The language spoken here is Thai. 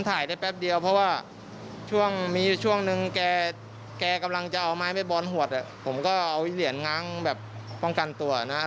แต่แกกำลังจะเอาไม้ไปบอนด์หวดผมก็เอาเหรียญงั้งแบบป้องกันตัวนะครับ